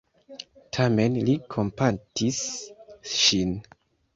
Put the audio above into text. Tamen, li kompatis ŝin.